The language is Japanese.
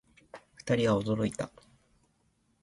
二人は驚いた